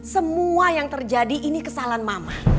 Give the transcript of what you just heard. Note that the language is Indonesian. semua yang terjadi ini kesalahan mama